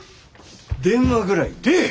電話ぐらい出え！